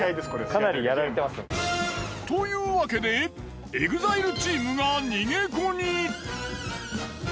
かなりやられてますよ。というわけでＥＸＩＬＥチームが逃げ子に！